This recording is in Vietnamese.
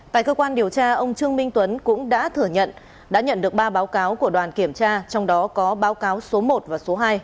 tại cơ quan điều tra ông trương minh tuấn cũng đã thừa nhận đã nhận được ba báo cáo của đoàn kiểm tra trong đó có báo cáo số một và số hai